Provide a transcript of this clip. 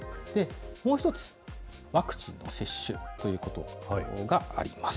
もう一つ、ワクチンの接種ということがあります。